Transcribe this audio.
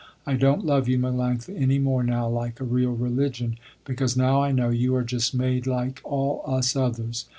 I don't love you Melanctha any more now like a real religion, because now I know you are just made like all us others.